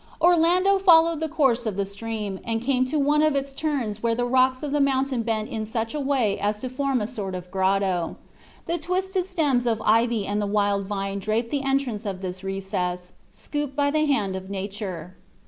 Orlando followed the course of the stream, and came to one of its turns where the rocks of the mountain bent in such a way as to form a sort of grotto. The twisted stems of ivy and the wild vine draped the entrance of this recess, scooped by the hand of nature.